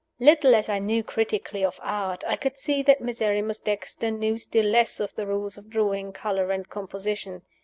Little as I knew critically of Art, I could see that Miserrimus Dexter knew still less of the rules of drawing, color, and composition.